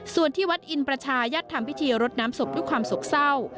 ส่วนที่วัดอินประชายัดทำพิธีรดน้ำศพด้วยความโศกเศร้า